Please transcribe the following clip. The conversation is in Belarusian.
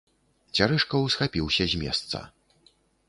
Цярэшка ўсхапіўся з месца.